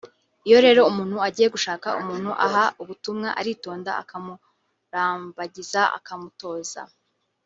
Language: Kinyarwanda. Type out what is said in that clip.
Iyo rero umuntu agiye gushaka umuntu aha ubutumwa aritonda akamurambagiza akamutoza